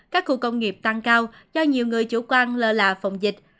các khu công nghiệp tăng cao do nhiều người chủ quan lơ là phòng dịch